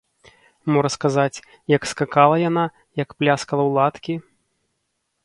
Мо расказаць, як скакала яна, як пляскала ў ладкі?